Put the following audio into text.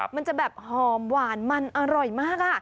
มันจะแบบหอมหวานมันอร่อยมาก